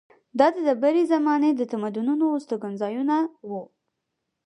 دا د ډبرې زمانې د تمدنونو استوګنځایونه وو.